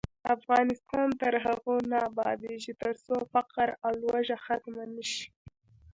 افغانستان تر هغو نه ابادیږي، ترڅو فقر او لوږه ختمه نشي.